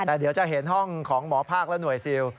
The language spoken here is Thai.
แต่เดี๋ยวจะเห็นห้องของหมอภาคและหน่วยซิล